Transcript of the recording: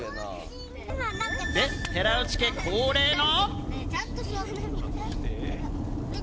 で、寺内家恒例の。